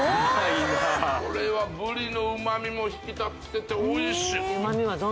これはぶりの旨みも引き立ってておいしい